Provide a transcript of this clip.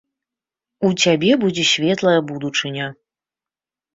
У цябе будзе светлая будучыня.